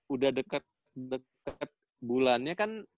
udah deket deket bulannya kan